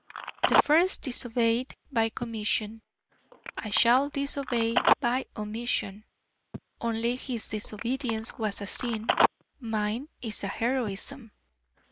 The first disobeyed by commission: I shall disobey by omission: only his disobedience was a sin, mine is a heroism.